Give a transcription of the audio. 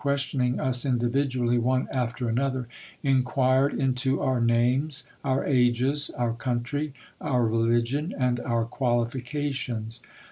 questioning us individually one after another, inquired into our names, our ages, our country, our religion, and our qualifications.